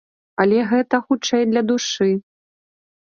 Але гэта, хутчэй, для душы.